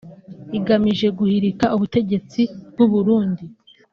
igamije guhirika ubutegetsi bw’u Burundi